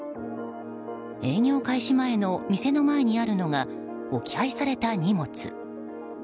営業開始前の店の前にあるのが置き配された荷物。